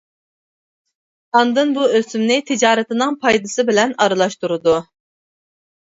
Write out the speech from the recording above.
ئاندىن بۇ ئۆسۈمنى تىجارىتىنىڭ پايدىسى بىلەن ئارىلاشتۇرىدۇ.